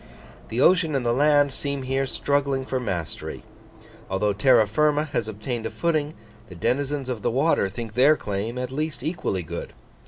The ocean and the land seem here struggling for mastery: although terra firma has obtained a footing, the denizens of the water think their claim at least equally good.